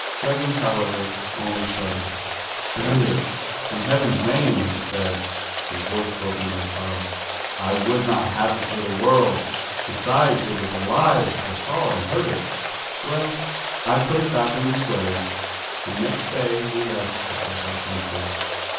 Juggins, however, only shuddered. "'Bury it, in Heaven's name,' he said, his voice broken by sobs. 'I would not have it for the world. Besides, it ivd.s alive. I saw and heard it.' "^Yell, I put it ba^'k in its grave, and next day we 134 THE GHOUL left the Sakai country.